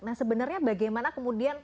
nah sebenarnya bagaimana kemudian